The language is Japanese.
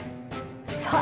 さあ！